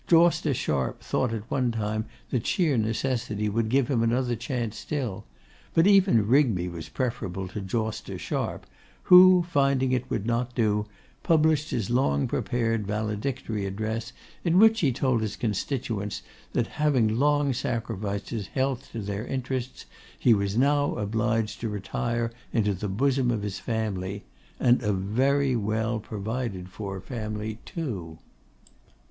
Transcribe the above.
Jawster Sharp thought at one time that sheer necessity would give him another chance still; but even Rigby was preferable to Jawster Sharp, who, finding it would not do, published his long prepared valedictory address, in which he told his constituents, that having long sacrificed his health to their interests, he was now obliged to retire into the bosom of his family. And a very well provided for family, too.